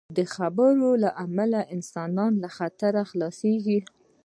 د خبرو له امله انسان له خطر خلاصېږي.